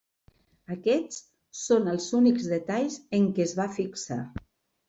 Aquests són els únics detalls en què es va fixar.